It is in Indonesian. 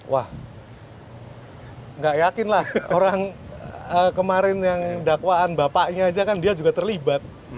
wah gak yakin lah orang kemarin yang dakwaan bapaknya aja kan dia juga terlibat